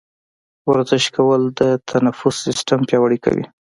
ورزش کول د تنفس سیستم پیاوړی کوي.